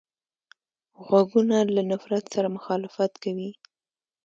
غوږونه له نفرت سره مخالفت کوي